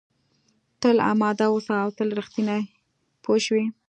تل اماده اوسه او تل رښتینی پوه شوې!.